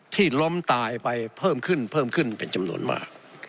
ที่ล้มตายไปเพิ่มขึ้นมันเป็นจำนวนมาก